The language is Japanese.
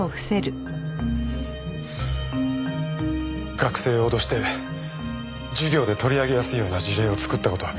学生を脅して授業で取り上げやすいような事例を作った事は認めます。